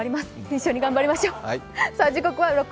一緒に頑張りましょう。